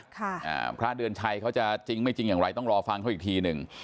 ค่ะอ่าพระเดือนชัยเขาจะจริงไม่จริงอย่างไรต้องรอฟังเขาอีกทีหนึ่ง